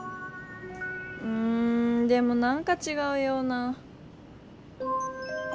うんでもなんかちがうような。